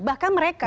bahkan mereka bilang